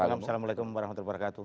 assalamualaikum warahmatullahi wabarakatuh